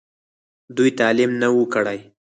دوي تعليم نۀ وو کړی